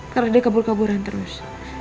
karena dia kabur kaburan terus